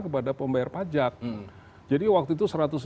kepada pembayar pajak jadi waktu itu